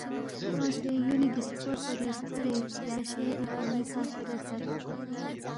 کھیونگسے یُولی گِسکور پوری سکورے یا شہری تھن٘ی کھہ کھیرے ردبس